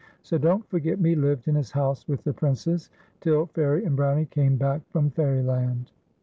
So Don't Forget Me lived in his house with the Princess till Fairie and Brownie came back from Fairyland.